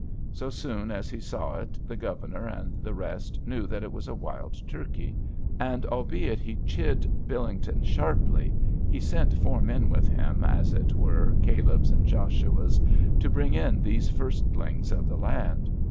Soe soon as he saw it, the Governour and the rest knew that it was a wild Turkie, and albeit he chid Billington sharply, he sent four men with him, as it were Calebs and Joshuas, to bring in these firstlings of the land.